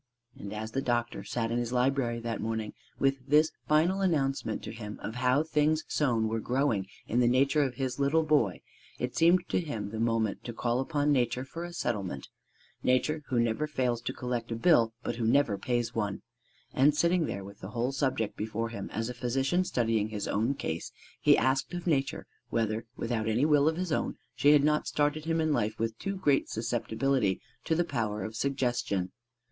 And as the doctor sat in his library that morning with this final announcement to him of how things sown were growing in the nature of his little boy, it seemed to him the moment to call upon Nature for a settlement Nature who never fails to collect a bill, but who never pays one. And sitting there with the whole subject before him as a physician studying his own case, he asked of Nature whether without any will of his own she had not started him in life with too great susceptibility to the power of suggestion.